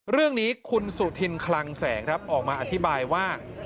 เรื่องนี้คุณสุธินคลังแสงครับออกมาอธิบายว่า